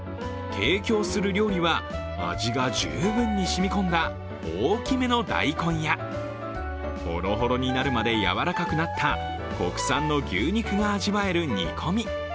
提供する料理は、味が十分にしみこんだ大きめの大根やほろほろになるまでやわらかくなった国産の牛肉が味わえる煮込み。